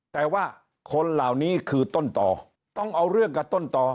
แต่ว่าคนเหล่านี้คือต้นต่อต้องเอาเรื่องกับต้นต่อ